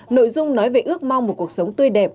nội dung nói về ước mong một cuộc sống tươi đẹp